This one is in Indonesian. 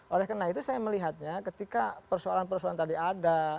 oleh karena itu saya melihatnya ketika persoalan persoalan tadi ada